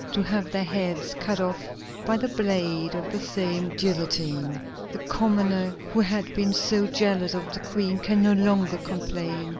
to have their heads cut off by the blade of the same guillotine. The commoner who had been so jealous of the Queen, can no longer complain.